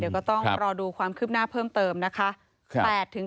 เดี๋ยวก็ต้องรอดูความคืบหน้าเพิ่มเติมนะคะ